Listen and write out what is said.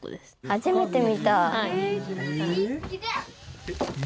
初めて見た。